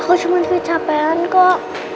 aku cuma sedikit capean kok